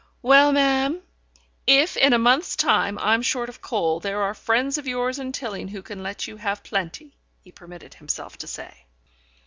"Well, ma'am, if in a month's time I'm short of coal, there are friends of yours in Tilling who can let you have plenty," he permitted himself to say.